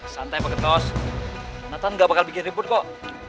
santai pak gendros nathan gak bakal bikin ribut kok